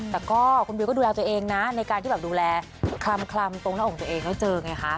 แต่ก็คุณวิวก็ดูแลตัวเองนะในการที่แบบดูแลคลำตรงหน้าอกตัวเองแล้วเจอไงคะ